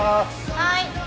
はい。